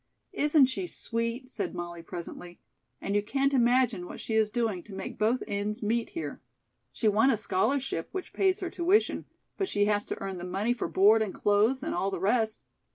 "Isn't she sweet?" said Molly presently. "And you can't imagine what she is doing to make both ends meet here. She won a scholarship which pays her tuition, but she has to earn the money for board and clothes and all the rest.